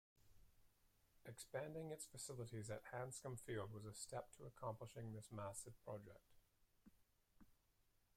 Expanding its facilities at Hanscom Field was a step to accomplishing this massive project.